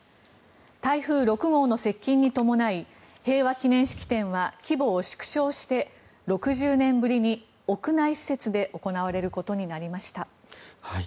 台風６号の接近に伴い平和祈念式典は規模を縮小して６０年ぶりに屋内施設で行われることになりました。